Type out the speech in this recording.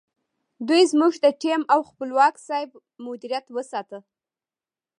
دوی زموږ د ټیم او خپلواک صاحب مدیریت وستایه.